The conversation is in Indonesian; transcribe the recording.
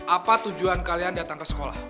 apa tujuan kalian datang ke sekolah